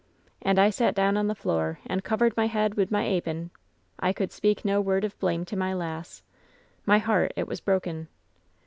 And I sat down on the floor and covered my head wi' my apun. I could speak no word of blame to my lass ; my heart, it was broken.